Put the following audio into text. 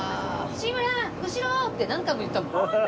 「志村後ろ！」って何回も言ったもん。